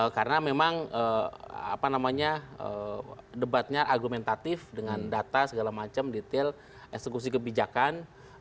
karena memang debatnya argumentatif dengan data segala macam detail eksekusi kebijakan